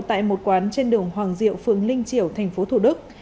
tại một quán trên đường hoàng diệu phường linh triều tp thủ đức